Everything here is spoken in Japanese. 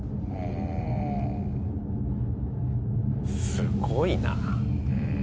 すごいな。